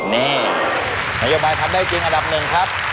นี่นโยบายทำได้จริงอันดับหนึ่งครับ